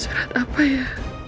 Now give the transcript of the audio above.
surat apa ya